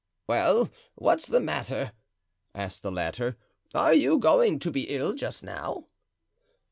"Well, what's the matter?" asked the latter, "are you going to be ill just now?"